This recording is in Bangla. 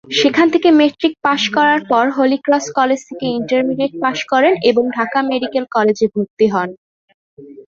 সেখান থেকে মেট্রিক পাশ করার পর হলিক্রস কলেজে থেকে ইন্টারমিডিয়েট পাশ করেন এবং ঢাকা মেডিকেল কলেজে ভর্তি হন।